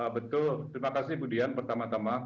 betul terima kasih bu dian pertama tama